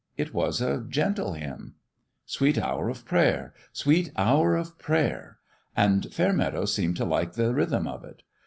It was a gentle hymn, " Sweet hour of prayer, Sweet hour of prayer " and Fairmeadow seemed to like the rhythm of it.